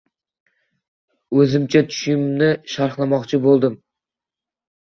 O‘zimcha tushimni sharhlamoqchi bo‘ldim.